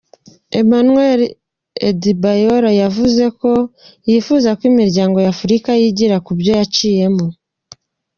Emmanuel Adebayor yavuze ko yifuza ko imiryango y'abanyafurika yigira kubyo yaciyemo.